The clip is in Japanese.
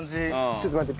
ちょっと待って。